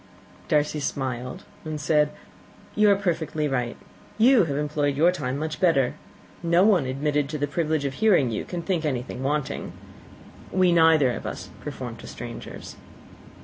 Darcy smiled and said, "You are perfectly right. You have employed your time much better. No one admitted to the privilege of hearing you can think anything wanting. We neither of us perform to strangers."